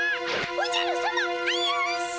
おじゃるさま危うし！